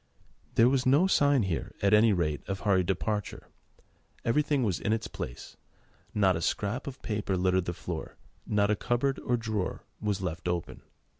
There was no sign here, at any rate, of hurried departure. Everything was in its place, not a scrap of paper littered the floor, not a cupboard or drawer was left open.